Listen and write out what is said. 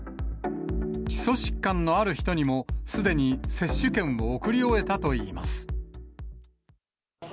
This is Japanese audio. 基礎疾患のある人にもすでに接種券を送り終えたといいます。